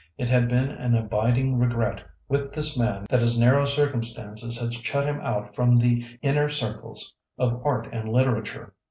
It had been an abiding regret with this man that his narrow circumstances had shut him out from the inner circles of art and literature.